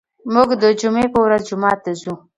موږ د جمعې په ورځ جومات ته ځو.